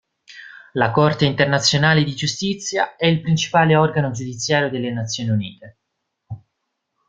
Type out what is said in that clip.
La Corte internazionale di giustizia è il principale organo giudiziario delle Nazioni Unite.